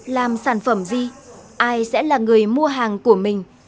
làm sản phẩm gì ai sẽ là người mua hàng của mình